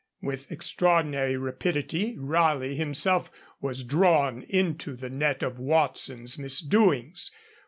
With extraordinary rapidity Raleigh himself was drawn into the net of Watson's misdoings.